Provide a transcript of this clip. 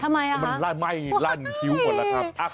ทำไมล่ะคะมันไหม้ลั่นคิ้วหมดแล้วครับโอ้โหจริง